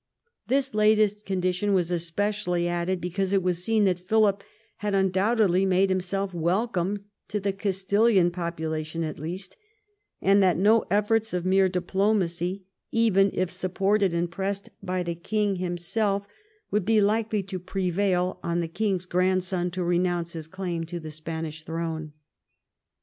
This latest condition was especially added because it was seen that Philip had undoubtedly made himself wel come to the Castilian population at leasts and that no efforts of mere diplomacy, even if supported and pressed on by King Louis himself, would be likely to prevail on the King's grandson to renounce his claim on the Spanish throne.